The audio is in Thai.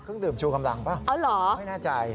ต้องดื่มชูกำลังเปล่าไม่น่าใจ